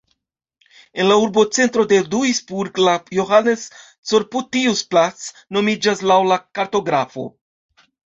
En la urbocentro de Duisburg la "Johannes-Corputius-Platz" nomiĝas laŭ la kartografo.